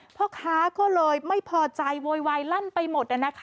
พ่อค้าก็เลยไม่พอใจโวยวายลั่นไปหมด